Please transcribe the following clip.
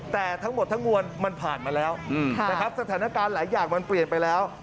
แต่ทั้งหมดทั้งมวลมันผ่านมาแล้วนะครับสถานการณ์หลายอย่างมันเปลี่ยนไปแล้ว